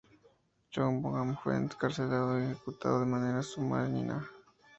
Cho Bong-am fue encarcelado y ejecutado de manera sumaria.